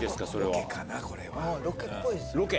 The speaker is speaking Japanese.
ロケかなこれは。